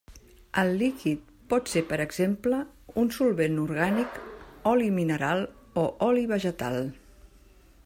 El líquid pot ser, per exemple, un solvent orgànic, oli mineral o oli vegetal.